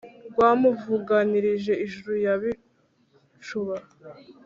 rwa mvuruganij-ijuru ya bicuba,